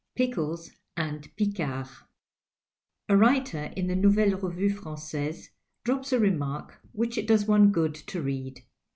289 PICKLES AND PICARDS A WRITER in the Nouvelle Revue Francaise drops a remark which it does one good to read.